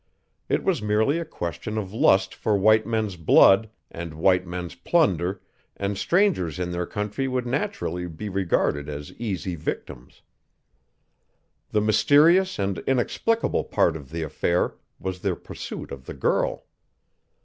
It was merely a question of lust for white men's blood and white men's plunder, and strangers in their country would naturally be regarded as easy victims. The mysterious and inexplicable part of the affair was their pursuit of the girl.